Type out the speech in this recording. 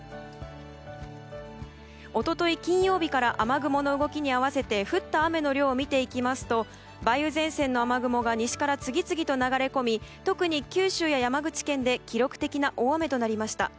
一昨日、金曜日から雨雲の動きに合わせ降った雨の量を見ていきますと梅雨前線の雨雲が西から次々と流れ込み特に九州や山口県で記録的な大雨となりました。